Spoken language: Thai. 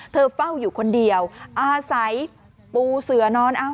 เฝ้าอยู่คนเดียวอาศัยปูเสือนอน